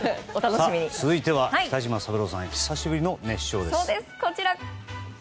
続いては北島三郎さん久しぶりの熱唱です。